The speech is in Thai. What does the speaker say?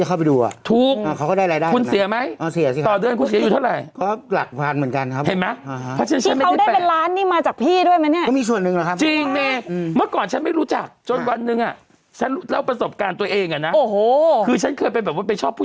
ต้องสมัครแล้วเสียตังค์ไงหมายถึงว่าคนที่จะเข้าไปดู